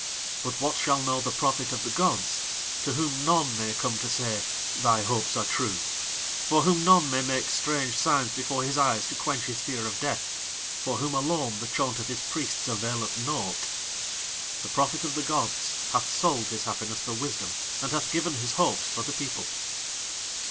But what shall know the Prophet of the gods, to whom none may come to say: "Thy hopes are true," for whom none may make strange signs before his eyes to quench his fear of death, for whom alone the chaunt of his priests availeth naught? The Prophet of the gods hath sold his happiness for wisdom, and hath given his hopes for the people.